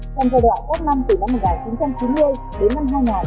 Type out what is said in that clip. trong giai đoạn cốt năm từ một nghìn chín trăm chín mươi đến năm hai nghìn